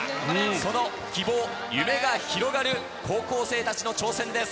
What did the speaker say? その希望、夢が広がる高校生たちの挑戦です。